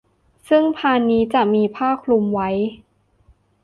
ซึ่งพานนี้จะมีผ้าคลุมไว้